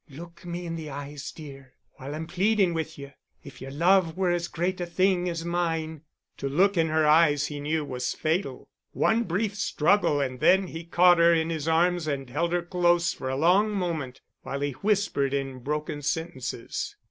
"Look me in the eyes, dear, while I'm pleading with you. If your love were as great a thing as mine——" To look in her eyes, he knew, was fatal. One brief struggle and then he caught her in his arms and held her close for a long moment, while he whispered in broken sentences.